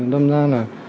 đâm ra là